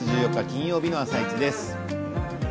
金曜日の「あさイチ」です。